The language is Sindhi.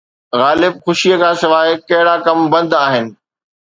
غالب خوشيءَ کان سواءِ ڪهڙا ڪم بند آهن؟